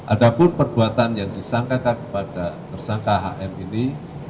ada pun perbuatan yang disangkakan kepada tersangka hm ini